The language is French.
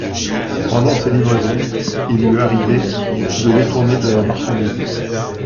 Pendant ses livraisons, il lui arrivait de détourner de la marchandise